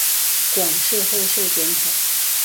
馆试后授检讨。